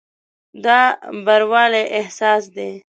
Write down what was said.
دا بروالي احساس دی.